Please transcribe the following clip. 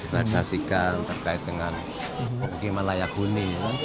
mensisilisasikan terkait dengan kekeman layak huni